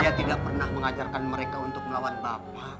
dia tidak pernah mengajarkan mereka untuk melawan bapak